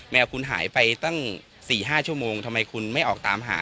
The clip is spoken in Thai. วคุณหายไปตั้ง๔๕ชั่วโมงทำไมคุณไม่ออกตามหา